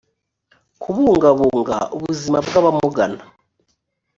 kubungabunga ubuzima bw abamugana